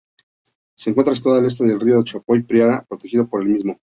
Se encuentra situado al este del río Chao Phraya, protegido por el mismo.